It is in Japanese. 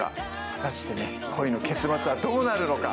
果たして恋の結末はどうなるのか。